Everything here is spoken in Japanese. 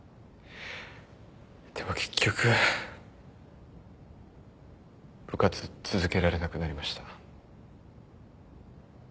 でも結局部活続けられなくなりました。